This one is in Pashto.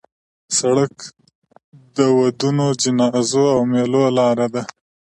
سړک د ودونو، جنازو او میلو لاره ده.